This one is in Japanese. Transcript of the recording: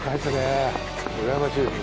うらやましいです。